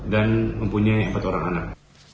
dan mempunyai empat orang anak